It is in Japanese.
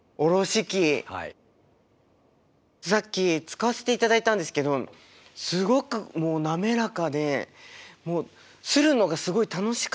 さっき使わせていただいたんですけどすごく滑らかでもうするのがすごい楽しかったです。